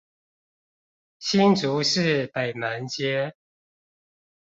新竹市北門街